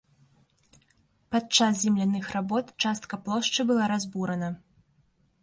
Падчас земляных работ частка плошчы была разбурана.